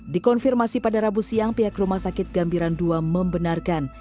dikonfirmasi pada rabu siang pihak rumah sakit gambiran ii membenarkan